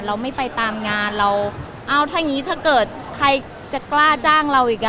เราไม่ไปตามงานถ้าเกิดใครจะกล้าจ้างเราอีกนะ